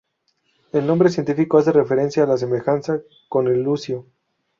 El nombre científico hace referencia a la semejanza con el lucio.